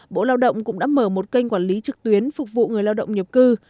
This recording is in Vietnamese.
bộ lao động cũng đã mở một kênh quản lý trực tuyến phục vụ người lao động nhập cư